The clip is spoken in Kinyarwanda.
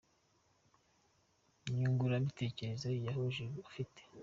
Nyunguranabitekerezo cyahuje abafite.